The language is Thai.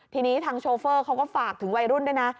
ทีนี้ทางโชเฟอร์เขาก็ฝากถึงวัยรุ่นด้วยนะ